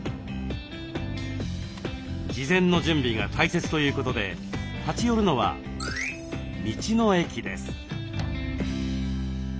事前の準備が大切ということで立ち寄るのは「道の駅」です。